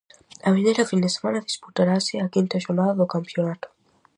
A vindeira fin de semana disputarase a quinta xornada do campionato.